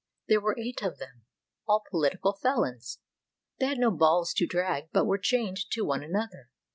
There were eight of them, all political felons. They had no balls to drag, but were chained to one another.